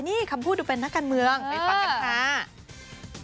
นี่คำพูดดูเป็นนักการเมืองไปฟังกันค่ะ